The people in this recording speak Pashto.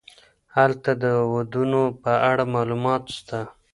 هلته د ودونو په اړه معلومات سته.